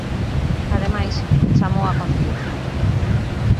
Ademais, chamou á conciliación.